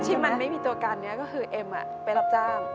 ที่มันไม่มีตัวการนี้ก็คือเอ็มไปรับจ้าง